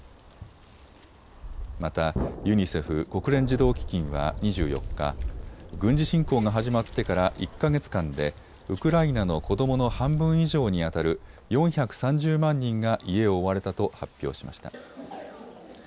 またユニセフ・国連児童基金は２４日、軍事侵攻が始まってから１か月間でウクライナの子どもの半分以上にあたる４３０万人が家を追われたと発表しました。